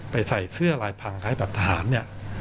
ไปใส่เสื้อลายพังข้างประหารเนี่ย